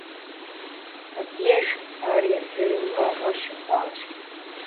Абдеж ар езыри уӏэгъэ щыхъуащ.